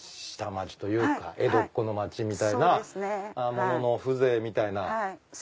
下町というか江戸っ子の町みたいなものの風情みたいな。